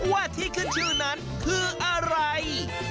ว่าที่ขึ้นชื่อนั้นคืออะไร